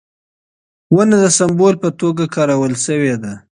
ونه د سمبول په توګه کارول شوې ده.